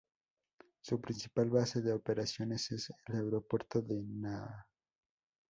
Su principal base de operaciones es el Aeropuerto de Naha.